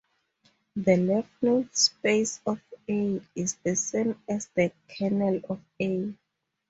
The left null space of "A" is the same as the kernel of "A".